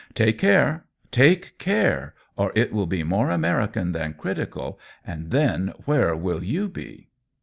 " Take care, take care, or it will be more American than critical, and then where will you be